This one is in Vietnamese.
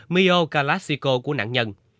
mio calasico của nạn nhân